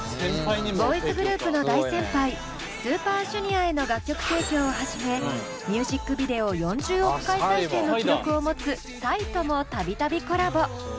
ボーイズグループの大先輩ＳＵＰＥＲＪＵＮＩＯＲへの楽曲提供をはじめミュージックビデオ４０億回再生の記録を持つＰＳＹともたびたびコラボ。